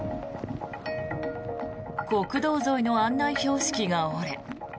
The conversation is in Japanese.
国道沿いの案内標識が折れ